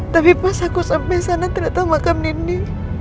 tapi pas aku sampai sana ternyata makam nindi